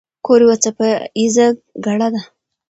کور یوه څپه ایزه ګړه ده.